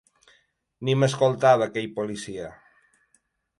Ni m’escoltava, aquell policia.